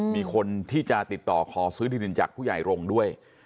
มีคนที่จะติดต่อขอซื้อที่ดินจากผู้ใหญ่รงค์ด้วย